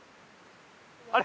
あれ？